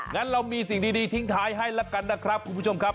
งั้นเรามีสิ่งดีทิ้งท้ายให้แล้วกันนะครับคุณผู้ชมครับ